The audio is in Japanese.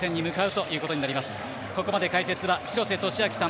ここまで解説は廣瀬俊朗さん